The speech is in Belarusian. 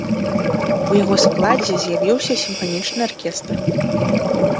У яго складзе з'явіўся сімфанічны аркестр.